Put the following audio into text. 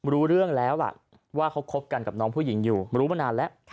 รู้เรื่องแล้วล่ะว่าเขาคบกันกับน้องผู้หญิงอยู่รู้มานานแล้ว